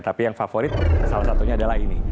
tapi yang favorit salah satunya adalah ini